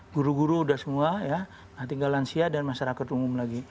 guru guru udah semua ya tinggal lansia dan masyarakat umum lagi